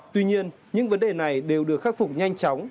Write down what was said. tuy nhiên những vấn đề này đều được khắc phục nhanh chóng